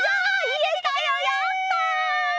いえたよやった！